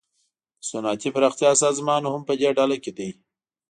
د صنعتي پراختیا سازمان هم پدې ډله کې دی